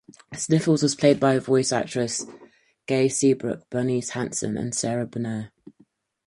Sniffles was played by voice actresses Gay Seabrook, Bernice Hansen, and Sara Berner.